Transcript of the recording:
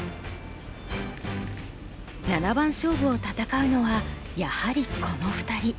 七番勝負を戦うのはやはりこの２人。